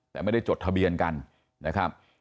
แต่ไม่ได้จดทะเบียนกันนะครับ